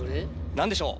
何でしょう？